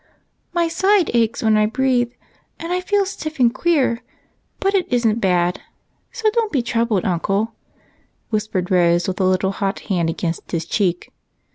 " My side aches wdien I breathe, and I feel stiff and queer ; but it is n't bad, so don't be troubled, uncle," whispered Rose, with a little hot hand against his cheek.